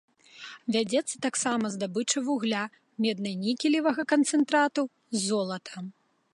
Вядзецца таксама здабыча вугля, медна-нікелевага канцэнтрату, золата.